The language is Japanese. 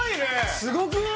すごくない？